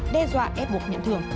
đe dọa ép buộc nhận thưởng